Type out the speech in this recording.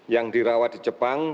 yang dirawat di jepang